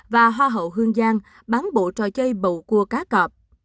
và hoa hậu hương giang bán bộ trò chơi bầu cua cá cọp